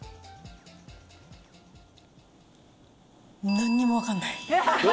なんにも分かんない。